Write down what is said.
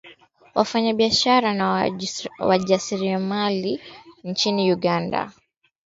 wafanyabiashara na wajasiriamali nchini Uganda